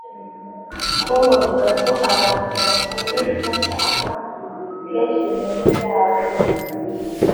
com avuga ko abantu bakunze gufata amafi kenshi mu ndyo yabo